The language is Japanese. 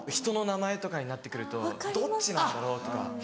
人の名前とかになって来るとどっちなんだろうとか。